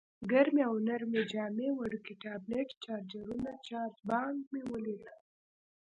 ګرمې او نرۍ جامې، وړوکی ټابلیټ، چارجرونه، چارج بانک مې ولیدل.